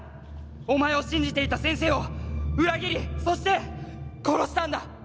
お前を信じていた先生を裏切りそして殺したんだ！